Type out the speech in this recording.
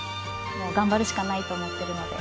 もう頑張るしかないと思っているので。